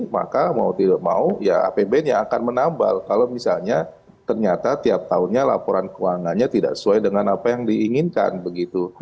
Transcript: maka mau tidak mau ya apbn yang akan menambal kalau misalnya ternyata tiap tahunnya laporan keuangannya tidak sesuai dengan apa yang diinginkan begitu